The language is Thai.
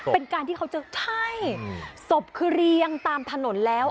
เป็นการที่เขาจะใช่ศพคือเรียงตามถนนแล้ว